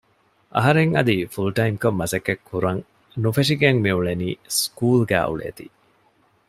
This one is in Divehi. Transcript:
އަހަރެން އަދި ފުލް ޓައިމްކޮށް މަސައްކަތްކުރަން ނުފެށިގެން މިއުޅެނީ ސްކޫލުގައި އުޅޭތީ